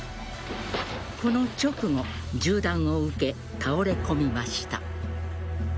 この直後、銃弾を受け倒れ込みました。